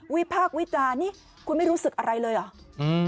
พากษ์วิจารณ์นี่คุณไม่รู้สึกอะไรเลยเหรออืม